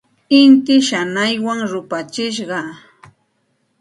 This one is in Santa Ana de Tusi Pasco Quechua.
Inti shanaywan rupachishqa.